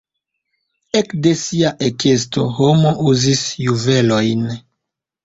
Ekde sia ekesto homo uzis juvelojn.